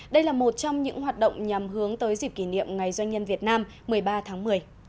đây là một trong những hoạt động nhằm hướng tới dịp kỷ niệm ngày doanh nhân việt nam một mươi ba tháng một mươi